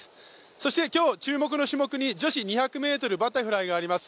そして今日、注目の種目に女子２００ｍバタフライがあります。